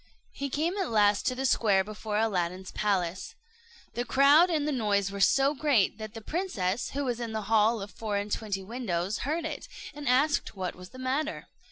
He came at last to the square before Aladdin's palace. The crowd and the noise were so great that the princess, who was in the hall of four and twenty windows, heard it, and asked what was the matter.